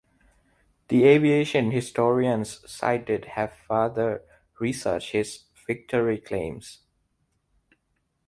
The aviation historians cited have further researched his victory claims.